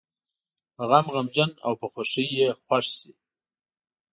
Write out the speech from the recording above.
په غم غمجن او په خوښۍ یې خوښ شي.